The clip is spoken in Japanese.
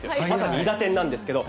いだてんなんですけど。